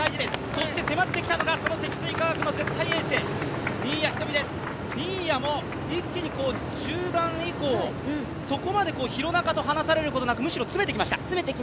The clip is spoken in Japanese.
そして迫ってきたのか積水化学の絶対的エース、新谷仁美も一気に中盤以降、そこまで廣中と離されることなく、むしろ詰めてきました。